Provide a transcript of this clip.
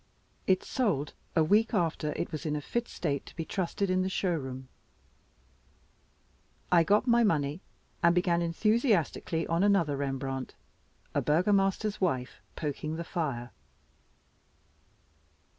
It sold a week after it was in a fit state to be trusted in the showroom. I got my money, and began enthusiastically on another Rembrandt "A Burgomaster's Wife Poking the Fire."